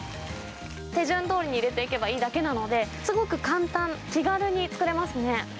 手順どおりに入れていけばいいだけなので、すごく簡単、気軽に作れますね。